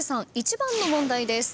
１番の問題です。